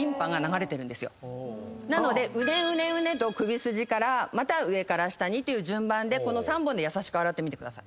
なのでうねうねうねと首筋からまた上から下にという順番でこの３本で優しく洗ってみてください。